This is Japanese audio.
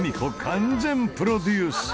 完全プロデュース